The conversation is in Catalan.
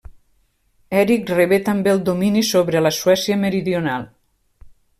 Eric rebé també el domini sobre la Suècia meridional.